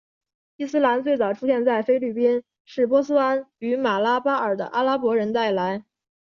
伊斯兰最早出现在菲律宾是波斯湾与马拉巴尔的阿拉伯人带来。